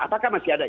apakah masih ada